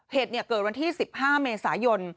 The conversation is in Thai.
เหตุเกิดวันที่๑๕เมษายน